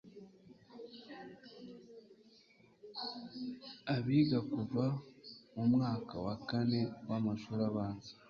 abiga kuva mu mwaka wa Kane w'amashuri abanza